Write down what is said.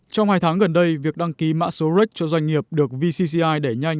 trong hai tháng gần đây việc đăng ký mã số rex cho doanh nghiệp được vcci đẩy nhanh